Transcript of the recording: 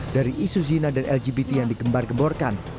dari isu zina dan lgbt yang digembar gemborkan